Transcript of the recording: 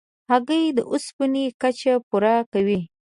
هګۍ د اوسپنې کچه پوره کوي.